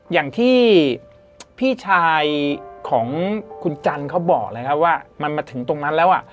อย่างที่พี่ชายของคุณจันทร์เขาบอกเลยครับว่ามันมาถึงตรงนั้นแล้วอ่ะ